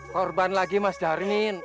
korban lagi mas dharmin